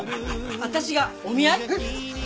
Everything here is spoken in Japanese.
私がお見合い？